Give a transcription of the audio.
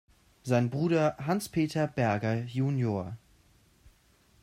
Sein Bruder Hans-Peter Berger jun.